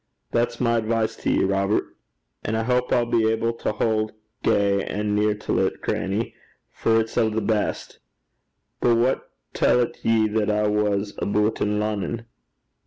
That's my advice to ye, Robert.' 'And I houp I'll be able to haud gey and near till 't, grannie, for it's o' the best. But wha tellt ye what I was aboot in Lonnon?'